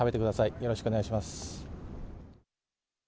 よろしくお願いします。